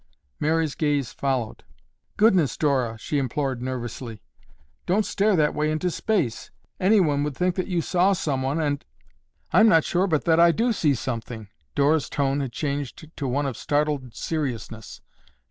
Mary's gaze followed. "Goodness, Dora!" she implored nervously, "don't stare that way into space. Anyone would think that you saw someone and—" "I'm not sure but that I do see something." Dora's tone had changed to one of startled seriousness.